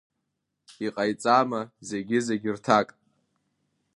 Иҟаиҵама зегьы-зегь рҭак?